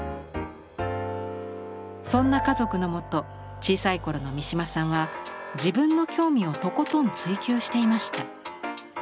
そんな家族のもと小さい頃の三島さんは自分の興味をとことん追求していました。